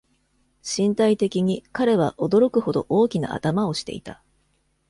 身体的に、彼は驚くほど大きな頭をしていた。